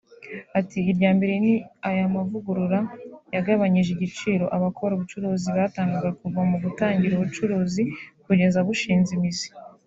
Ati “Irya mbere ni aya mavugurura yagabanyije igiciro abakora ubucuruzi batangaga kuva mu gutangira ubucuruzi kugeza bushinze imizi